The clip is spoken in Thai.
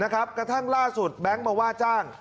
กระทั่งล่าสุดแบงค์มาว่าจ้าง